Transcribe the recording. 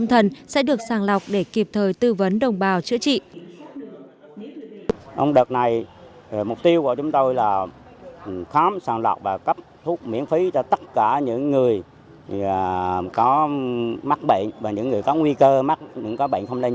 hãy đăng ký kênh để nhận thông tin nhất